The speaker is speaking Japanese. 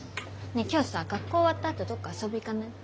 ねえ今日さ学校終わったあとどっか遊び行かない？